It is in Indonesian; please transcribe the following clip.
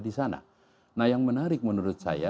di sana nah yang menarik menurut saya